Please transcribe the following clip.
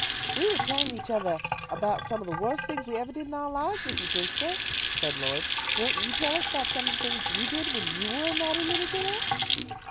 "We were tellin' each othah about some of the worst things we evah did in ou' lives, Mrs. Brewster," said Lloyd. "Won't you tell us about some of the things you did when you were a naughty little girl?"